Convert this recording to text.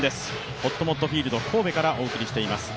ほっともっとフィールド神戸からお送りしています。